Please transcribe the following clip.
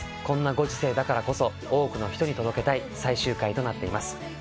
こんなご時世だからこそ多くの人に届けたい最終回となっています。